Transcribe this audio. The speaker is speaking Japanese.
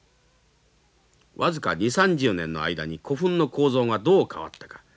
僅か２０３０年の間に古墳の構造がどう変わったか。